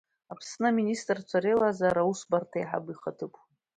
Аԥсны аминистрцәа Реилазаара Аусбарҭа аиҳабы ихаҭыԥуаҩ…